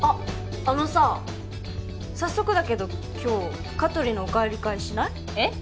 あのさ早速だけど今日香取のおかえり会しない？えっ！？